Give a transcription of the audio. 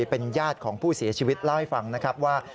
เป็นญาติของผู้เสียชีวิตเล่าให้ฟังนะครับว่า